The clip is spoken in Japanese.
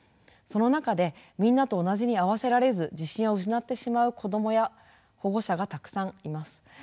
その中でみんなと同じに合わせられず自信を失ってしまう子どもや保護者がたくさんいます。